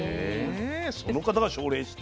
その方が奨励して。